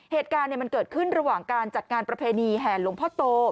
เหตุการณ์มันเกิดขึ้นระหว่างการจัดงานประเพณีแห่หลวงพ่อโต